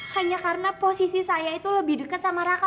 hanya karena posisi saya itu lebih dekat sama raka